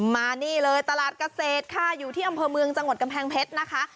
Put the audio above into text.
มานี่เลยตลาดเกษตรค่ะอยู่ที่อำเภอเมืองจังหวัดกำแพงเพชรนะคะ